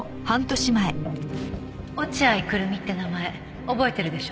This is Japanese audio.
落合久瑠実って名前覚えてるでしょ？